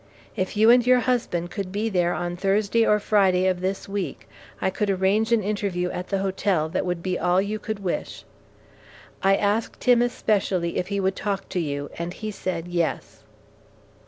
If you and your husband could be there on Thursday or Friday of this week, I could arrange an interview at the hotel that would be all you could wish. I asked him especially if he would talk to you, and he said, "Yes."